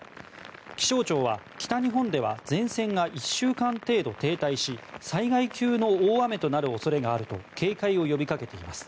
気象庁は北日本では前線が１週間程度停滞し災害級の大雨となる恐れがあると警戒を呼びかけています。